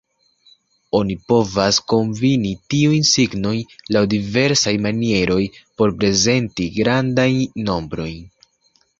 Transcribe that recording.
Oni povas kombini tiujn signojn laŭ diversaj manieroj por prezenti grandajn nombrojn.